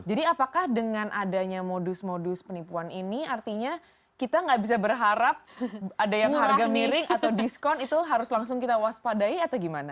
jadi apakah dengan adanya modus modus penipuan ini artinya kita gak bisa berharap ada yang harga miring atau diskon itu harus langsung kita waspadai atau gimana